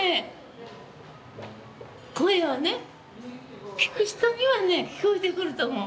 声はね聞く人にはね聞こえてくると思う。